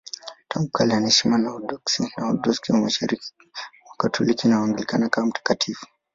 Tangu kale anaheshimiwa na Waorthodoksi, Waorthodoksi wa Mashariki, Wakatoliki na Waanglikana kama mtakatifu.